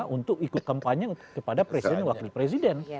untuk ikut kampanye kepada presiden dan wakil presiden